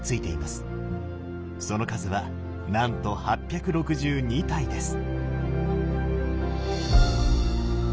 その数はなんと８６２体です。